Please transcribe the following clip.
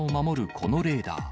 このレーダー。